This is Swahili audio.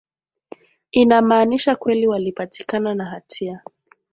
inamaanisha kweli walipatikana na hatia